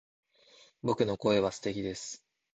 僕の声は素敵です